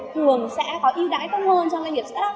thường sẽ có ưu đãi tốt hơn cho doanh nghiệp sản phẩm